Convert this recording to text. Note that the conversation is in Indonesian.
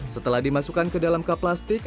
setelah dimasukkan ke dalam kaplastik